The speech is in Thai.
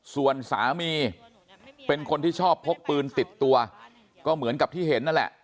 ส่วนสามีเป็นคนที่ชอบพกปืนติดตัวก็เหมือนกับที่เห็นนั่นแหละ